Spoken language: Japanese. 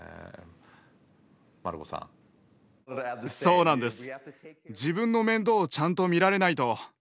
そうなんです。